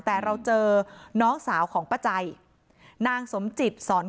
แต่พอเห็นว่าเหตุการณ์มันเริ่มเข้าไปห้ามทั้งคู่ให้แยกออกจากกัน